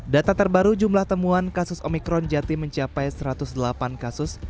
data terbaru jumlah temuan kasus omikron jatim mencapai satu ratus delapan kasus